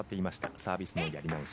サービスのやり直し。